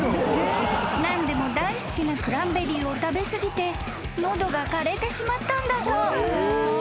［何でも大好きなクランベリーを食べ過ぎて喉がかれてしまったんだそう］